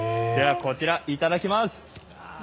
こちらいただきます。